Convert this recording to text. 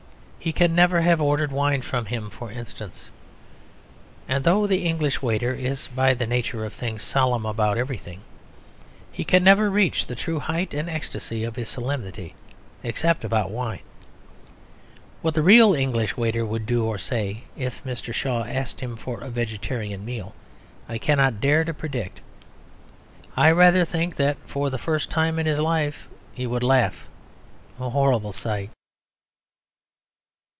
He can never have ordered wine from him for instance. And though the English waiter is by the nature of things solemn about everything, he can never reach the true height and ecstasy of his solemnity except about wine. What the real English waiter would do or say if Mr. Shaw asked him for a vegetarian meal I cannot dare to predict. I rather think that for the first time in his life he would laugh a horrible sight.